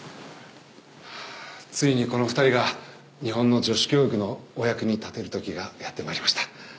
ついにこの２人が日本の女子教育のお役に立てる時がやって参りました。